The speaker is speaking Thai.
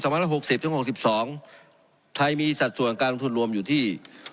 ไทยมีสัดส่วนการลงทุนรวมอยู่ที่